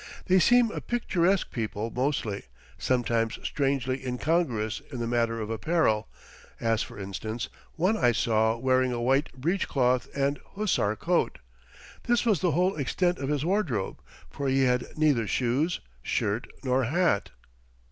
They seem a picturesque people mostly, sometimes strangely incongruous in the matter of apparel, as, for instance, one I saw wearing a white breech cloth and a hussar coat. This was the whole extent of his wardrobe, for he had neither shoes, shirt, nor hat.